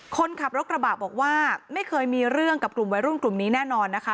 คนขับรถกระบะบอกว่าไม่เคยมีเรื่องกับกลุ่มวัยรุ่นกลุ่มนี้แน่นอนนะคะ